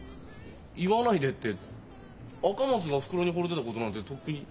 「言わないで」って赤松がおふくろにほれてたことなんてとっくに。